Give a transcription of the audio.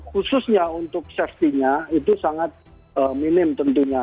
khususnya untuk safety nya itu sangat minim tentunya